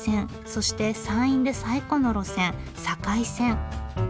そして山陰で最古の路線境線。